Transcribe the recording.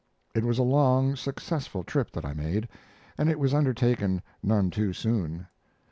It was a long, successful trip that I made, and it was undertaken none too soon.